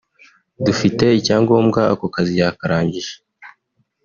Dufite icyangombwa ako akazi yakarangije